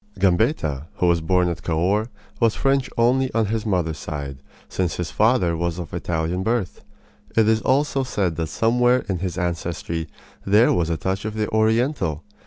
Gambetta, who was born at Cahors, was French only on his mother's side, since his father was of Italian birth. It is said also that somewhere in his ancestry there was a touch of the Oriental.